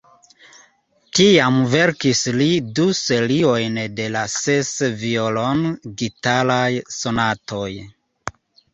Tiam verkis li du seriojn de la ses violon-gitaraj sonatoj.